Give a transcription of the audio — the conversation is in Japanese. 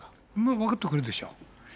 分かってくるでしょう。